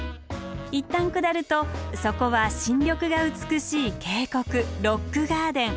いったん下るとそこは新緑が美しい渓谷ロックガーデン。